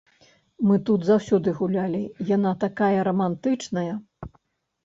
Мы тут заўсёды гулялі, яна такая рамантычная.